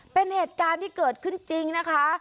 เป็นเหตุการณ์ที่เกิดขึ้นจริงนะคะ